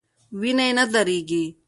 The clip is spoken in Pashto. وینه یې نه دریږي.